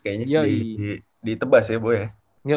kayaknya ditebas ya bu ya